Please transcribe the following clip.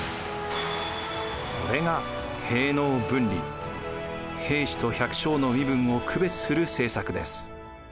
これが兵士と百姓の身分を区別する政策です。